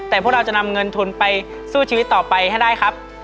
แต่พวกเราจะนำเงินทุนไปสู้ชีวิตต่อไปให้ได้ครับ